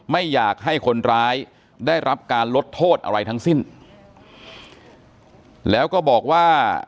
ไม่อยากให้คนร้ายได้รับการลดโทษอะไรทั้งสิ้นแล้วก็บอกว่า